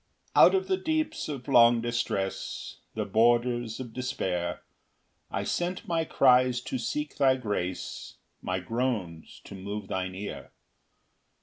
1 Out of the deeps of long distress, The borders of despair, I sent my cries to seek thy grace, My groans to move thine ear.